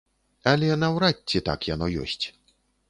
Але наўрад ці так яно ёсць.